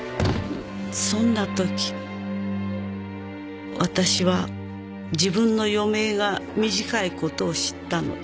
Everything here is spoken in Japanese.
「そんなとき私は自分の余命が短いことを知ったのです」